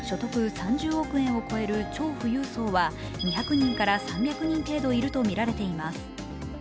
３０億円を超える超富裕層は２００人から３００人程度いるとみられています。